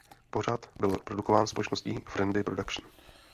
Pořad byl produkován společností Friendly Production.